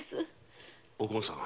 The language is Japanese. お紺さん。